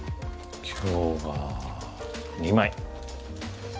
今日は２枚。